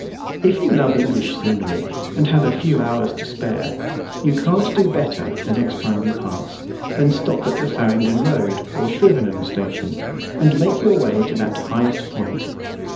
If you love English scenery, and have a few hours to spare, you can't do better, the next time you pass, than stop at the Farringdon Road or Shrivenham station, and make your way to that highest point.